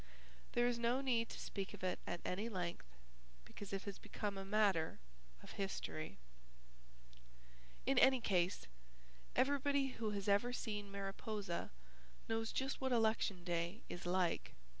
There is no need to speak of it at any length, because it has become a matter of history. In any case, everybody who has ever seen Mariposa knows just what election day is like.